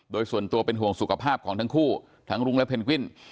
โดยส่วนตัวเป็นห่วงสุขภาพของทั้งคู่ทั้งรุ้งและเพนกวิน